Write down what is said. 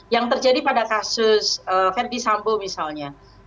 yang terjadi pada kasus verdi sambo misalnya